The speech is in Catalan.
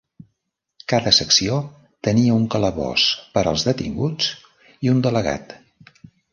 Cada secció tenia un calabós per als detinguts i un delegat.